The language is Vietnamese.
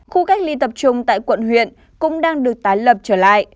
khu cách ly tập trung tại quận huyện cũng đang được tái lập trở lại